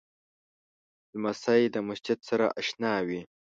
لمسی له مسجد سره اشنا وي.